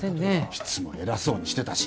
いつも偉そうにしてたし